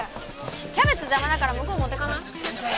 キャベツ邪魔だから向こう持ってかない？